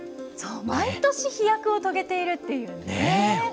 毎年飛躍を遂げているっていうね。